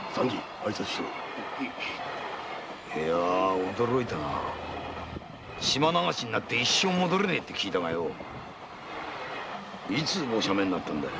あいさつしろ驚いたな島流しになって一生戻れねぇと聞いたがよいつご赦免になったんだい？